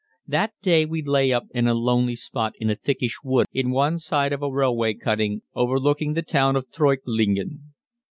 That day we lay up in a lonely spot in a thickish wood on one side of a railway cutting overlooking the town of Treuchtlingen.